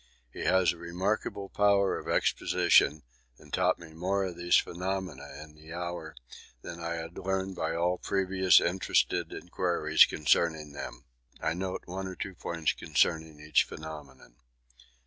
He has a remarkable power of exposition and taught me more of these phenomena in the hour than I had learnt by all previous interested inquiries concerning them. I note one or two points concerning each phenomenon.